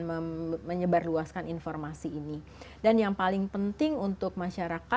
kami bekerjasama dengan lebih dari enam orang